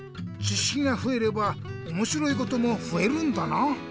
ちしきがふえればおもしろいこともふえるんだな。